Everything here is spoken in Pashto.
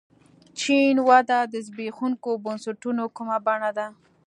چین وده د زبېښونکو بنسټونو کومه بڼه ده.